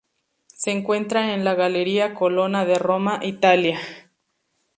Se encuentra en la Galería Colonna de Roma, Italia.